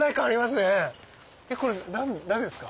えっこれ何ですか？